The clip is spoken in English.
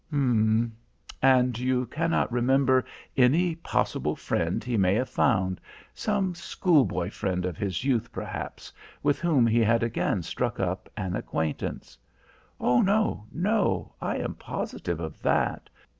"H'm! And you cannot remember any possible friend he may have found some schoolboy friend of his youth, perhaps, with whom he had again struck up an acquaintance." "Oh, no, no, I am positive of that.